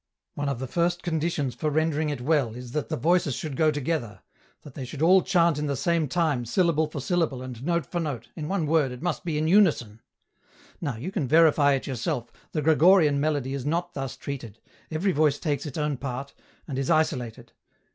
One of the first conditions for rendering it well, is that the voices should go together, that they should all chant in the same time syllable for syllable and note for note, in one word it must be in unison. Now, you can verify it yourself, the Gregorian melody is not thus treated ; every voice takes its own part, and is isolated.